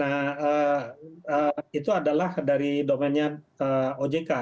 nah itu adalah dari domennya ojk